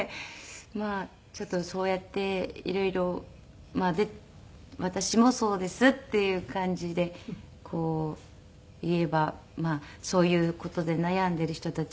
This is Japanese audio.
まあちょっとそうやって色々「私もそうです」っていう感じで言えばそういう事で悩んでいる人たちも。